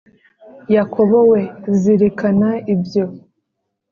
Yakobo we zirikana ibyo